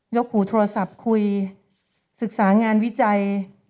กหูโทรศัพท์คุยศึกษางานวิจัย